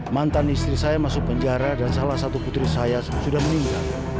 mantan istri saya masuk penjara dan salah satu putri saya sudah meninggal